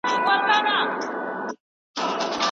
زده کوونکي د انټرنېټ له لارې نوې موضوعګانې ژر او اسان زده کوي.